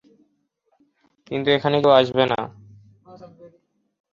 কিন্তু এখানে কেউ আসবে না।